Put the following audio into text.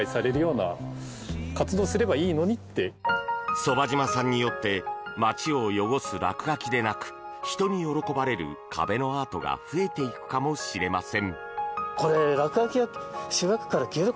傍嶋さんによって街を汚す落書きでなく人に喜ばれる壁のアートが増えていくかもしれません。